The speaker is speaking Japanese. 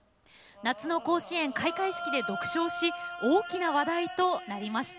夏の甲子園開会式で独唱し大きな話題となりました。